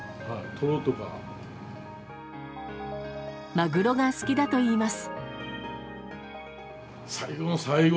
マグロが好きだといいます。